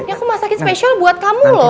ini aku masakin spesial buat kamu loh